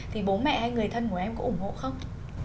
thì bố mẹ hay người thân của em có ủng hộ không